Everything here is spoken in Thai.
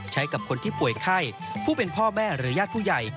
ใช้กับคนที่ป่วยไข้ผู้เป็นพ่อแม่หรือญาติผู้ใหญ่